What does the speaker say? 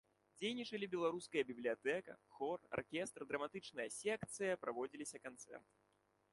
Дзейнічалі беларуская бібліятэка, хор, аркестр, драматычная секцыя, праводзіліся канцэрты.